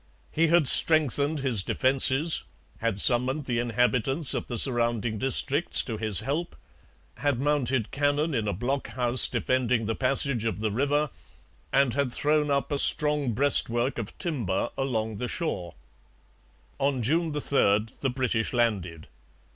He had strengthened his defences, had summoned the inhabitants of the surrounding districts to his help, had mounted cannon in a blockhouse defending the passage of the river, and had thrown up a strong breastwork of timber along the shore. On June 3 the British landed.